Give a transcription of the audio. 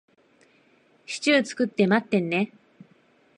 シチュー作って待ってるね。